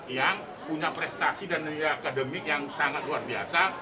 yang punya prestasi dan nilai akademik yang sangat luar biasa